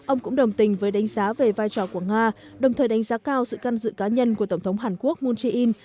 ông cũng đồng tình với đánh giá về vai trò của nga đồng thời đánh giá cao sự can dự cá nhân của tổng thống hàn quốc moon jae in